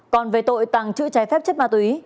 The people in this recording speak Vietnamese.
còn về tội tàng trữ trái phép chất ma túy